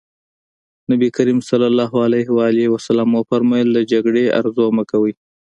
نبي کريم ص وفرمايل له جګړې ارزو مه کوئ.